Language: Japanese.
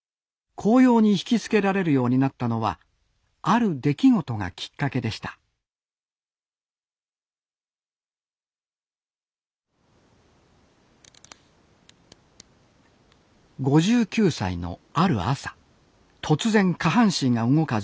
紅葉に惹きつけられるようになったのはある出来事がきっかけでした５９歳のある朝突然下半身が動かず歩くことができなくなりました。